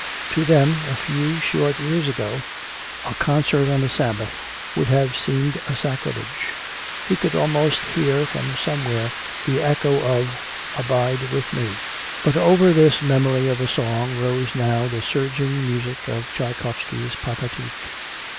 To them, a few short years ago, a concert on the Sabbath would have seemed a sacrilege. He could almost hear from somewhere the echo of "Abide With Me." But over this memory of a song rose now the surging music of Tschaikovsky's "Pathetique."